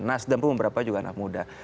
nas dan beberapa juga anak muda